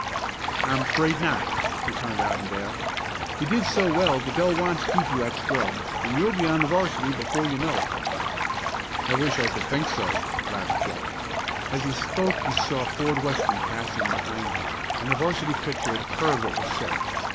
"I'm afraid not," returned Avondale. "You did so well that they'll want to keep you at scrub, and you'll be on the 'varsity before you know it." "I wish I could think so," laughed Joe. As he spoke he saw Ford Weston passing behind him, and the 'varsity pitcher had heard what was said.